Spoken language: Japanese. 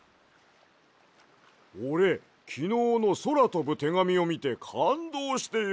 おれきのうのそらとぶてがみをみてかんどうしてよ